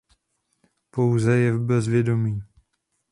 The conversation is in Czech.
Pouze je v bezvědomí.